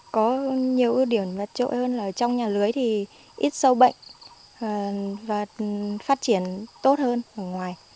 có nhiều ưu điểm vật trội hơn ở trong nhà lưới thì ít sâu bệnh và phát triển tốt hơn ở ngoài